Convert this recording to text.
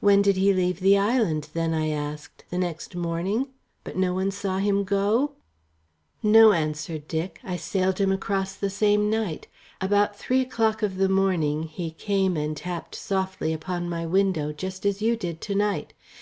"When did he leave the island, then?" I asked. "The next morning? But no one saw him go?" "No," answered Dick. "I sailed him across the same night. About three o'clock of the morning he came and tapped softly upon my window, just as you did to night.